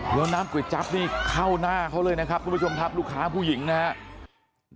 แล้วน้ำก๋วยจั๊บนี่เข้าหน้าเขาเลยนะครับทุกผู้ชมครับลูกค้าผู้หญิงนะครับ